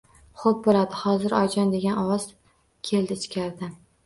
Xoʻp boʻladi, hozir, oyijon, degan ovoz keldi ichkaridan